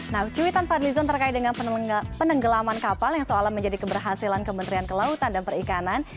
nah cuitan fadlizon terkait dengan penenggelaman kapal yang seolah menjadi keberhasilan kementerian kelautan dan perikanan